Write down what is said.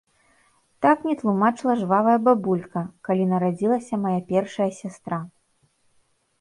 Так мне тлумачыла жвавая бабулька, калі нарадзілася мая першая сястра.